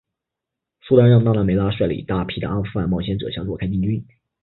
苏丹让那腊梅拉率领大批的阿富汗冒险者向若开进军。